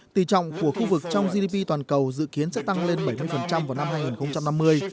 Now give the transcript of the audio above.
tỷ trọng của khu vực trong gdp toàn cầu dự kiến sẽ tăng lên bảy mươi vào năm hai nghìn năm mươi